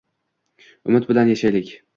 Umid bilan yashaylik.